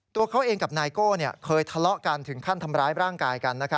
ตัวเขาเองกับนายโก้เคยทะเลาะกันถึงขั้นทำร้ายร่างกายกัน